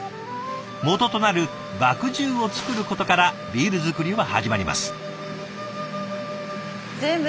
もととなる麦汁を造ることからビール造りは始まります。